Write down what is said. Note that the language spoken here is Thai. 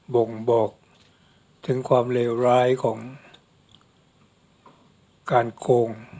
บ่งบอกถึงความเลวร้ายของการโคง